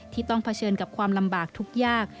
ต้องเผชิญกับความลำบากทุกยาก